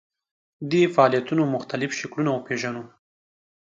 د فعالیتونو مختلف شکلونه وپېژنو.